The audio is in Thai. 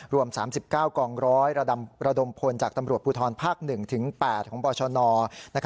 รวม๓๙กองร้อยระดมพลจากตำรวจภูทรภาค๑ถึง๘ของบชน